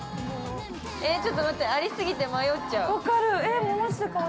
えっちょっと待って、ありすぎちゃって迷っちゃう。